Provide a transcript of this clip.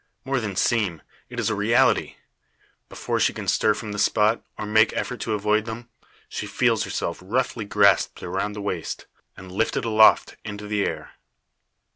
More than seem; it is a reality. Before she can stir from the spot, or make effort to avoid them, she feels herself roughly grasped around the waist, and lifted aloft into the air.